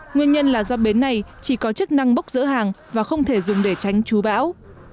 nguyên nhân là do bến này chỉ có chức năng bốc rỡ hàng và không thể dùng để tránh chú bão